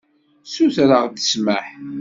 Sutreɣ-d ssmaḥ.